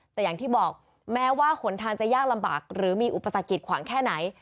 แต่อย่างที่บอกแม้ว่าหนทางจะยากลำบากหรือมีอุปสรรกิจขวางแค่ไหน